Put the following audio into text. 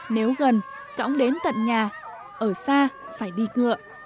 nếu gần cõng đến tận nhà ở xa phải đi cửa